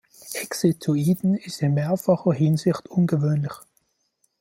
Exit to Eden ist in mehrfacher Hinsicht ungewöhnlich.